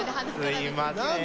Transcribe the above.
すいません。